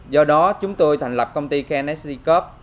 do đó chúng tôi thành lập công ty knstcop